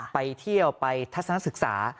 ไปเที่ยวไปทัศนศึกษา